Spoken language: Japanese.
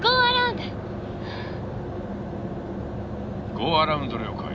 ゴーアラウンド了解。